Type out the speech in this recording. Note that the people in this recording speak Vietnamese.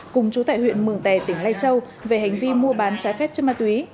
cùng trú tại huyện mường tè tỉnh lai châu về hành vi mua bán trái phép trên ma túy